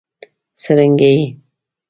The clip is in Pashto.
څرنګه یې؟